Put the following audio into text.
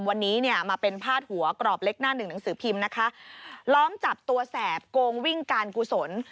วันนี้เนี่ยมาเป็นพาดหัวกรอบเล็กหน้าหนึ่งหนังสือพิมพ์นะคะล้อมจับตัวแสบโกงวิ่งการกุศล